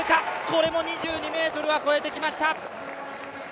これも２２ｍは越えてきました。